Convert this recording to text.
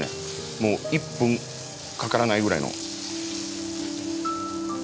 もう１分かからないぐらいの。